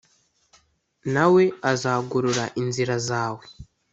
na we azagorora inzira zawe